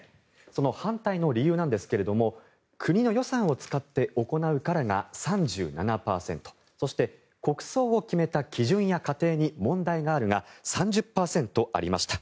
その反対の理由なんですが国の予算を使って行うからが３７％そして、国葬を決めた基準や過程に問題があるが３０％ありました。